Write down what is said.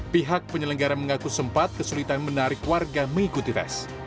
pihak penyelenggara mengaku sempat kesulitan menarik warga mengikuti tes